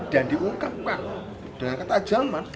dan diungkapkan dengan ketajaman